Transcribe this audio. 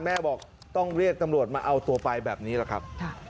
แม่บอกต้องเรียกตำรวจมาเอาตัวไปแบบนี้แหละครับ